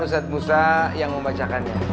ustadz musa yang membacakannya